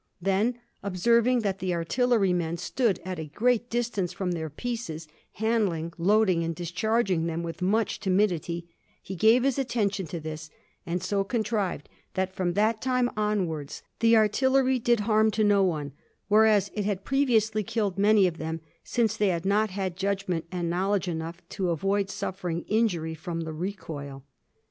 Then, observing that the artillery men stood at a great distance from their pieces, handling, loading, and discharging them with much timidity, he gave his attention to this, and so contrived that from that time onwards the artillery did harm to no one, whereas it had previously killed many of them, since they had not had judgment and knowledge enough to avoid suffering injury from the recoil.